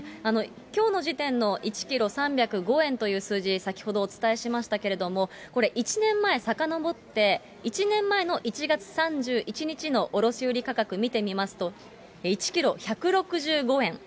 きょうの時点の１キロ３０５円という数字、先ほどお伝えしましたけれども、これ、１年前さかのぼって、１年前の１月３１日の卸売り価格、見てみますと、１キロ１６５円。